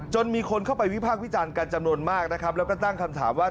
มีคนเข้าไปวิพากษ์วิจารณ์กันจำนวนมากนะครับแล้วก็ตั้งคำถามว่า